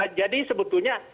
nah jadi sebetulnya